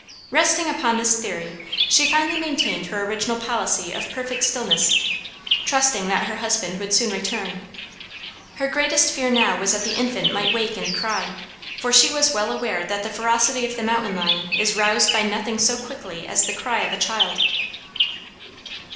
Resting upon this theory she finally maintained her original policy of perfect stillness, trusting that her husband would soon return. Her greatest fear now was that the infant might wake and cry, for she was well aware that the ferocity of the mountain lion is roused by nothing so quickly as the cry of a child.